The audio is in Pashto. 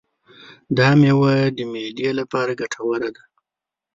دا مېوه د معدې لپاره ګټوره ده.